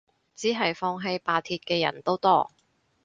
只係放棄罷鐵嘅人都多